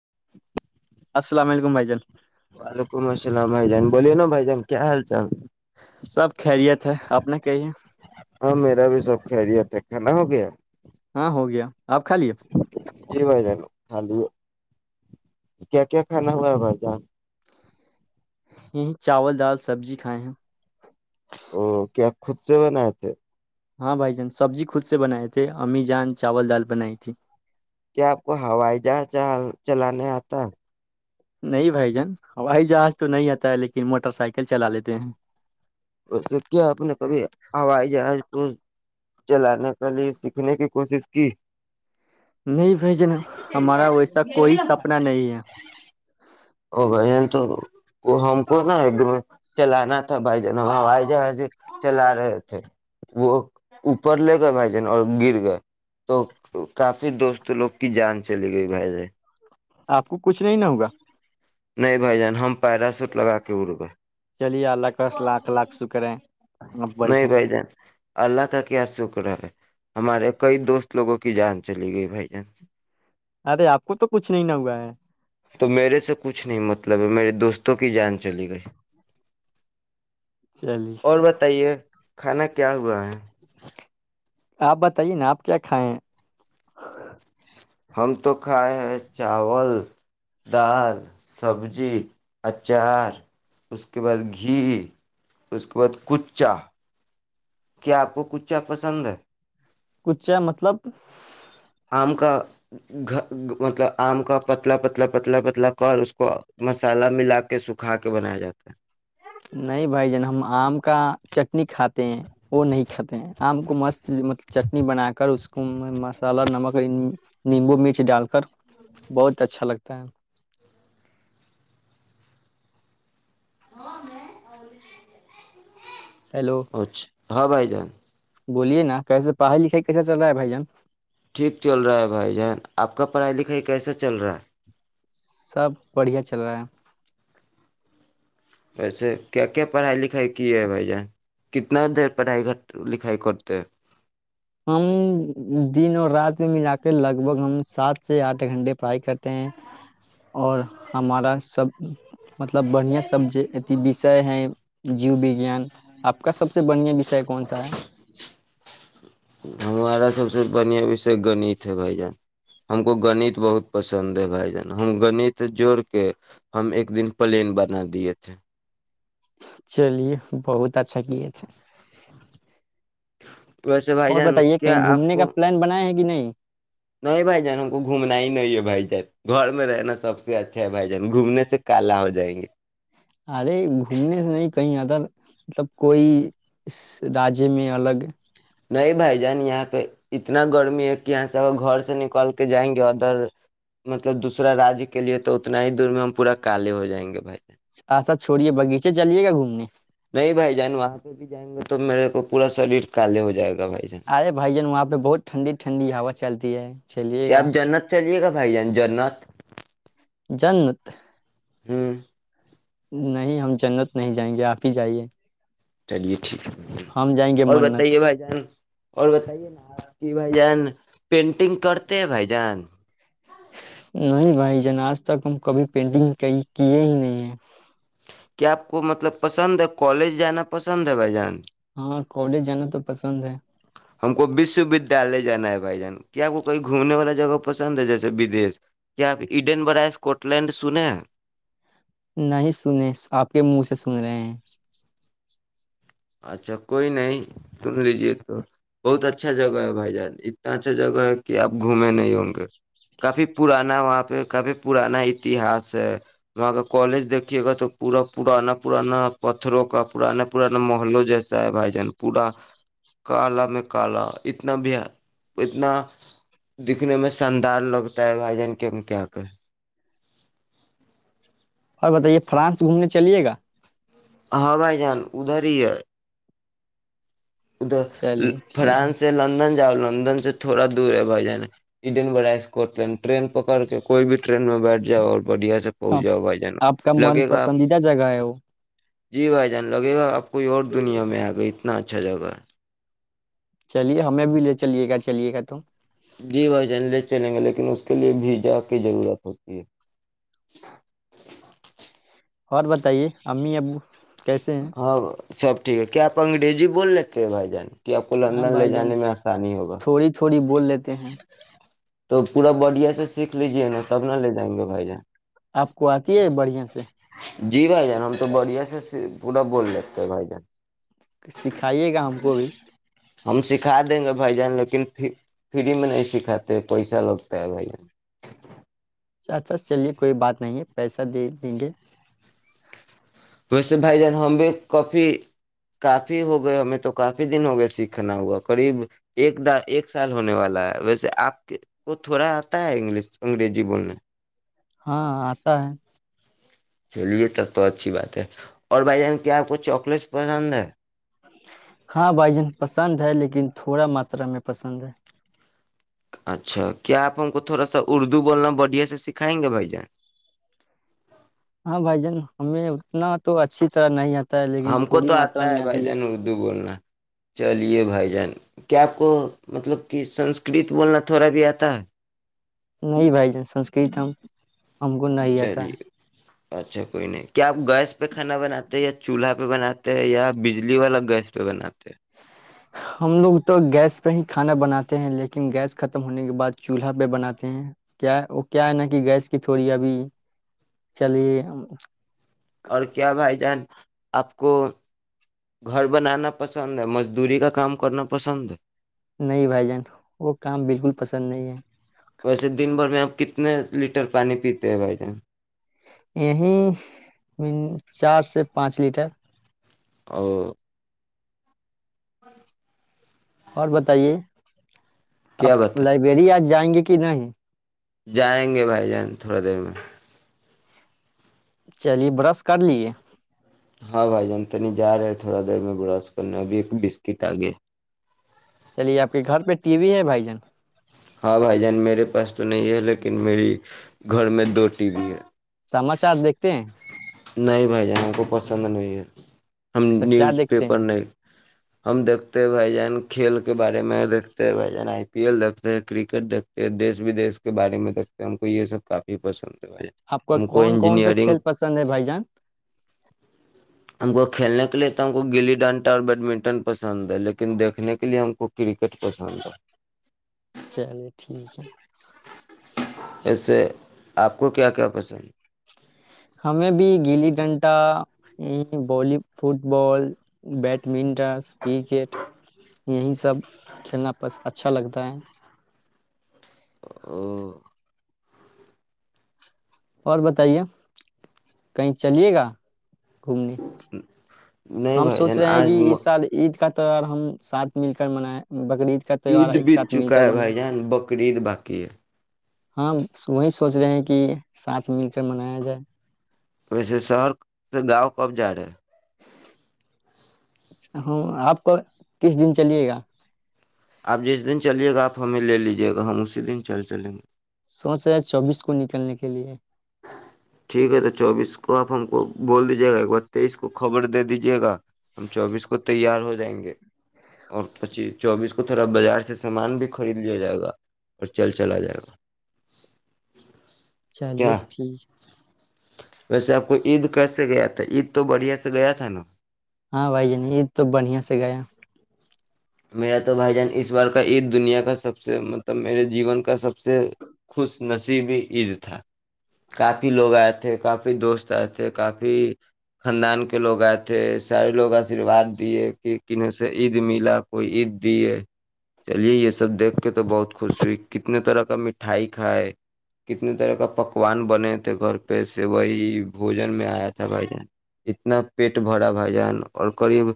[inaudible] السلام علیکم بھ جان وعلیکم السلام بھائی جان بولیے نا بائی جان کیا حال چال سب خریت ہے اپنے کہیے گنا ہو گیا [unintelligible] ہاں ہوگیا آپ کھا لیے خالی کیا کیا کھانا ہوا بھائی جان [unintelligible] یہیں چاول دال، سبزی کھائے ہیں او کیا خود سے بناائے تھے ہاں بھائی جان سبزی خود سے بنائے تھے امی جان چاول دال بنائی تھی کیا آپ کو ہوائی جہاز چلانے آتا؟ نہیں بھائی جان ہوائی جہاز تو نہیں آتا ہے لیکن موٹر سائیکل چلا لیتے ہیں اسے کیا اپنے کبھی آواز جہ کو چلانے کے لیے سیکھنے کی کوشش کی [unintelligible] نہیں بھائی جن ہمارا ویسا کوئی سپنا نہیں ہے ا بھ جن تو ہم کو نا ایک دم چلانا تھا بھائی جان ہم ہائی جہاز چلا رہے تھے وہ اوپر لے گئے بھائی جان اور گر گئے تو کافی دوست لوگ کی جان چلی گئی بھائی جن آپ کو کچھ نہیں نہ ہوگا نہیں بھائی جان ہم پیرا سوٹ لگا کے ارو گئے چلیے اللہ کا لاکھ لاکھ شکر ہے آپ نہیں بڑھیا ہیں۔ بھائی جان اللہ کا کیا شکر ہے [unintelligible] ہمارے کئی دوست لوگوں کی جان چلی گئی بھائی جان ارے آپ کو تو کچھ نہیں ن ہوا ہے تو میرے سے کچھ نہیں مطلب ہے میرے دوست تو کی جان چلی گئی اور چلیے بتائیے کھانا کیا ہوا ہے آپ بتائیے نا آپ کیا کھائائے ہم تو کھائے ہیں چاول دال سبزی اچار اس کے بعد گھی اس کے بعد کچا کیا آپ کو کچا پسند ہے چ مطلب [unintelligible] آم کا مطلب آم کا پتلا پتلا پتلا پتلا کر اس کو مسالہ ملا کے سکھا کے بنایا جاتا ہے [unintelligible] نہیں بھائی جن ہم آم کا چٹنی کھاتے ہیں وہ نہیں کھاتے ہیں آم کو مست م چٹنی بنا کر اس کو مسالہ نمک نیمبو مرچ ڈال کر بہت اچھا لگتا ہے ہاں میں [unintelligible] ہیلو اچھا ہاں بھائی جان بولیے نا کیسے پڑھائی لکھائی کیسا چل رہا ہے بھائی جان ٹھیک چل رہا ہے بھائی جان آپ کا پڑھائی لکھائی کیسا چل رہا ہے سب بڑھیا چل رہا ہے ویسے کیا کیا پڑھائی لکھائی کی ہے بھیا کتنا دیر پڑھائی لکھائیائی کرتے ہم دن اور رات میں ملا کے لگ بھگ ہم سات سے آٹھ گھنٹے پڑھائی کرتے ہیں اور ہمارا سب مطلب بڑھیا سب ا بشے ہے جیو وجان آپ کا سب سے بڑھیا وش کون سا ہے [unintelligible] ہمارا سب سے بڑھیا وشے گنت ہے بھائی جان ہم کو گنت بہت پسند ہے بھائی جان ہم گنت جوڑ کے ہم ایک دن پلین بنا دیے تھے چلیے بہت اچھا کی ا تھ ج [unintelligible] اور بتائیے کہیں گھومنے کا پلان بنا ہے کہ نہیں [unintelligible] نہیں بھائی جان ہم کو گھومنا ہی نہیں ہے بھائی جان گھر میں رہنا سب سے اچھا ہے بھائی جان گھومنے سے کالا ہو جائیں گے ارے گھومنے سے نہیں کہیں ادر مطلب کوئی اس راجیہ میں الگ نہیں بھائی جان یہاں پہ اتنا گرمی ہے کہ یہاں سے اگر گھر سے نکل کے جائیں گے ادر مطلب دوسرا رجیہ کے لیے تو اتنا ہی دور میں ہم پورا کالے ہو جائیں گے بھائی جان آسا چھوڑیے باغیچے چلیے گا گھومنے نہیں بھائی جان وہاں پہ بھی جائیں گے تو میرے کو پورا شریر کالے ہو جائے گا بھائی جان ارے بھائی جان وہاں پہ بہت ٹھنڈی ٹھنڈی ہوا چلتی ہے چلیے کیا گا آپ جنت چلیے گا بھائی ج جنت جنت ہوں نہیں ہم جنت نہیں جائیں گے آپ ہی جائیے چلیے [unintelligible] ہم جائیں گے اور منت بتائیے بھائی جان اور بتائیے نا [unintelligible] کی بھ جان پین شٹنگ کرتے بھائی جان نہیں بھائی جان آج تک ہم کبھی پینٹنگ کیے ہی نہیں ہے کیا آپ کو مطلب پسند ہے کالج جانا پسند ہے بھائی جان ہ کالج جانا تو پسند ہے ہم کو وش ودیال جانا ہے بھائی جان کیاپ کوئی گھومنے والا جگہ پسند ہے جیسے بدیش کیا آپ ایڈن بڑا اسکاٹ لینڈ سنے ہیں نہیں سنے آپ کے منہ سے سن رہے ہیں اچھا کوئی نہیں سن لیجے تو بہت اچھا جگہ ہے بھائی جان اتنا اچھا جگہ ہے کہ آپ گھومے نہیں ہوں گے کافی پرانا وہاں پہ کافی پرانا اتہاس ہے وہاں کا کالج دیکھیے گا تو پورا پرانا پرانا پتھروں کا پرانا پرانا نا محلوں جیسا ہے بھائی جان پورا کالا میں کالا اتنا ب اتنا دکھنے میں شاندار لگتا ہے بھائی جان کہ ہم کیا کریں اور بتائیے فرانس گھومنے چلیے گا ہاں بھائی جان ادھر ہی ہے ادھر چلیے ٹھیک ہے فرانس سے لندن جاؤ لا لن سے تھوڑا دور ہے بائی جاناڈین بڑ اسکٹ لینڈ ٹن پک کر کے کوئی بھی ٹرین میں بیٹھ جاؤ اور بڑھیا سے پہنچ آپ جاؤ بھائی جان آپ کا من لگے گا آپ پسندیدہ جگہ ہے وہ جی بھائی جان لگے گا آپ [unintelligible] کوئی اور دنیا میں آ گئے اتنا اچھا [unintelligible] اچھا جگہ [unintelligible] چلیے ہمیں بھی لے چلیے گا چلیے گا تو [unintelligible] جی بھائی جان لے چلیں گے لیکن اس کے لیے بھیجا کی ضرورت ہوتی ہے [unintelligible] اور بتائیے امی ابو [unintelligible] کیسے ہیں [unintelligible] ہاں سب ٹھیک ہے کیا آپ انگریزی بول لیتے ہیں بھائی جان [unintelligible] ہاں لندن لے بھائی جان جانے میں آسانی ہوگا تھوڑی تھوڑی بول لیتے ہیں [unintelligible] تو پورا بڈیا سے سیکھ لیجیے نا تب نہ لے جائیں گے بھائی جان [unintelligible] آپ کو آتی ہے بڑھیا سے [unintelligible] جی بھائی جان ہم تو بڑھیا سے [unintelligible] پورا بول دیتے ہے بائی جان [unintelligible] ک سکھائیے گا ہم کو بھی [unintelligible] ہم سکھا دیں گے بھائی جان لیکن فری میں نہیں سکھاتے پیسہ لگتا ہے بھائی جان [unintelligible] اچھا چلیے کوئی بات نہیں پیسہ دے دیں گے [unintelligible] ویسے بھائی جان ہم بھی کافی کافی ہو گئے ہمیں تو کافی دن ہو گئے سیکھنا ہوا قریب ایک ایک سال ہونے والا ہے ویسے آپ کے کو تھوڑا آتا ہے انگلش انگریزی بولنے [unintelligible] ہاں آتا ہے [unintelligible] چلیے تب تو اچھی بات ہے اور بھائی جان کیا آپ کو چاکلیٹ پسند ہے [unintelligible] ہاں بھائی جان پسند ہے لیکن تھوڑا ماترا میں پسند ہے [unintelligible] اچھا کیا آپ ہم کو تھوڑا سا اردو بولنا بڑھیا سے سکھائیں گے بھائی جان [unintelligible] ہاں بھائی جان ہمیں اتنا تو اچھی طرح نہیں آتا [unintelligible] ہم کو تو تھوڑی آتا ماترا ہے میں بھائی آتی جان اردو بولنا [unintelligible] چلیے بھائی جان کیا آپ کو مطلب کہ سنسکرت بولنا تھوڑا بھی آتا ہے [unintelligible] نہیں بھائی ج سنسکرت ہم [unintelligible] ہم کو نہیں آتا چلیے ہے اچھا کوئی نہیں کیا آپ گیس پہ کھانا بناتے ہیں یا چولہا پہ بنے ہیں یا بجلی والا گیس پہ بناتے [unintelligible] ہم لوگ تو گیس پہ ہی [unintelligible] کھانا بناتے ہیں لیکن گیس ختم ہونے کے بعد چولہا پہ بناتے ہیں کیا وہ کیا ہے نا کہ گیس کی تھوڑی ابھی چلیے [unintelligible] اور کیا بھائی جان [unintelligible] آپ کو گھر بنانا پسند ہے مزدوری کا کام کرنا پسند ہے [unintelligible] نہیں بھائی جان وہ کام بالکل پسند نہیں ہے [unintelligible] ویسے دن بھر میں آپ کتنے لیٹر پانی پیتے ہیں بھائی جان [unintelligible] یہ چار سے پانچ لیٹر [unintelligible] اور [inaudible] ہ [inaudible] اور بتائیے [unintelligible] آپ کیا بتا لائبریری آ جی [unintelligible] جائیں گے کہ نہیں [unintelligible] جائیں گے بھائی جان تھوڑا دیر میں [unintelligible] چلیے برش کر لیے ہاں بھائی جان ت نہیں جا رہے تھوڑا دیر میں براس کرنا ابھی ایک بسکٹ آگیا چلیے آپ کے گھر پہ ٹی وی ہے بھائی جان ہاں بھائی جان میرے پاس تو نہیں ہے لیکن میری گھر میں دو ٹی وی ہے سماچار دیکھتے ہیں نہیں بھائی جان ہم کو پسند نہیں ہے ہم تو کیا نیوز دیکھتے پیپر ہیں نہیں ہم دھتے بھائی جان کھیل کے بارے میں دیکتے ہیں بھائی جان آئی پی ایل دھتے ہیں کرکٹ دھتے ہیں دیش ودی کے بارے میں دیکھتے ہم کو یہ سب کافی پسند ہے بھائی آپ کو جان ہم کون کون سےا انجینئرنگ کھیل پسند ہے بھائی جان ہم کو کھیلنے لیے تو ہم کو گلی ڈنٹا اور بیڈمنٹن پسند ہے لیکن دیکھنے کے لیے ہم کو کرکٹ پسند ہے چلیے ٹھیک ہے ایسے آپ کو کیا کیا پسند ہمیں بھی گلی ڈنٹا بی football badminton chess cricket یہی سب [unintelligible] کھیلنا پس اچھا لگتا ہے ا [unintelligible] اور بتائیے کہیں چلیے گا گھومنے ہ [unintelligible] ہم سوچ رہے ہیں کہ اس سال عید کا ہم ساتھ مل کر منا بیر عید بیت چکا ہے بھائی جان بقر عید باقی ہے ہاں وہی سوچ رہے ہیں کہ ساتھ مل کر منایا جائے ویسے شہر سے گاؤں کب جا رہے اچ ہاں آپ کو کس دن چلیے گا [unintelligible] آپ جس دن چلیے گا آپ ہمیں لے لیجیے گا ہم اسی دن چل چلیں گے سوچ چوبیس کو نکلنے کے کے لیے ٹھیک ہے تو چوبیس کو آپ ہم کو بول دیجیے گا ایک بار تیئیس کو خبر دے دیجے گا ہم چوبیس کو تیار ہو جائیں گے اور پچیس چوبیس کو تھوڑا بازار سے سامان بھی خرید لیا جائے گا اور چل چلا جائے گا کیا چلیےس ٹھیک ویسے آپ کو عید کیسے گیا تھا عید تو بڑھیا سے گیا تھا نا ہاں بھائی جنی یہید تو بڑھیا سے گیا میرا تو بھائی جان اس بار کا عید دنیا کا سب سے مطلب میرے جیون کا سب سے خوش نصیبی عید تھا کافی لوگ آئے تھے کافی دوست آئے تھے کافی خاندان کے لوگ آئے تھے سارے لوگ آشیرواد دیے کہ کنہوں سے عید ملا کوئی عید دی ہے چلیے یہ سب دیکھ کے تو بہت خوش ہوئی کتنے طرح کا مٹھائی کھائے کتنے طرح کا پکوان بنے تھے گھر پہ سے وہی بوجن میں آیا تھا بھائی جان اتنا پیٹ بھرا بھائی جان اور قریب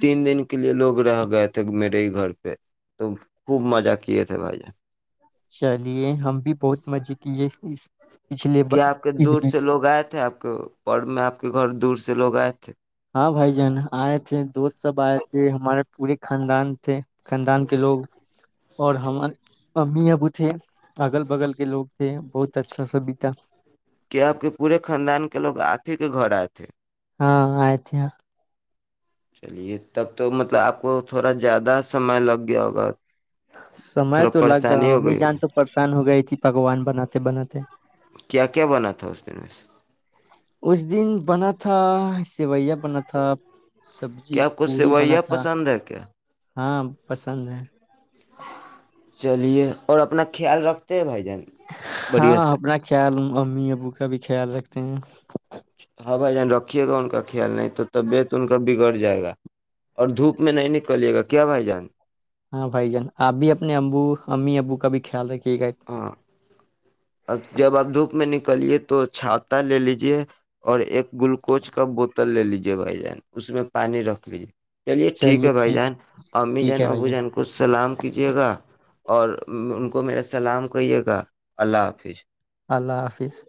تین دن کے لیے لوگ رہ گئے تھ [unintelligible] تھے میرے ہی گھر پہ تو خوب مزہ کیے تھے بھائی [unintelligible] چلیے ہم بھی بہت مزے کیے اس پچھلے ب- کیا آپ کے عید دور میں سے لوگ آئے تھے آپ کے اور میں آپ کے گھر دور سے [unintelligible] سے لوگ آ [unintelligible] ہاں بھائی جان آئے تھے دوست سب آئے تھے ہمارے پورے خاندان تھے خاندان کے لوگ اور ہمارے امی ابو تھے اگل بگل کے لوگ تھے بہت اچھا سا بیتا کہ آپ کے ا [unintelligible] ہاں آئے تھے چلیے تب تو مطلب آپ کو تھوڑا زیادہ سمئے لگ گیا ہوگا سمئے تھوڑا تو لگ گا پریشانی ہو امی گئی جان تو ہوگی پریشان ہو گئی تھی پکوان بناتے بناتے کیا کیا بنا تھا اس دن میں سے اس دن بنا تھا سویا بنا تھا سبزی کیا آپ کو پوری بنا سوئیاں تھا پسند ہے کیا ہاں پسند ہے چلیے اور اپنا خیال رکھتے بھائی جان بڑھیا ہاں سے اپنا خیال امی ابو کا بھی خیال رکھتے ہیں [unintelligible] ہاں بھائی جان رکھیے گا ان کا خیال نہیں تو طبیعت ان کا بگڑ جائے گا اور دھوپ میں نہیں نکلیے گا کیا بھائی جان ہاں بھائی جان آب بھی اپنے ابو امی ابو کا بھی کھیلک ٹھیک ہے ہاں [unintelligible] جب آپ دھوپ میں نکلیے تو چھاتاتا لے لیجے اور ایک [unintelligible] گلوکوج کا بوتل لے لیجیے بھائی جان اس میں پانی رکھ لیجیے [unintelligible] چلیے ٹھیک ہے بھائی جان امی ٹھیک جان ہے بھائی ابو جان کو سلام کیجیے گا اور [unintelligible] کو میرا سلام کہیے گا [unintelligible] اللہ حافظ اللہ حافظ